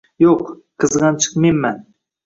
Yo`q, qizg`anchiq menman